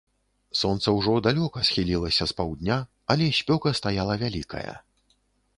Сонца ўжо далёка схілілася з паўдня, але спёка стаяла вялікая.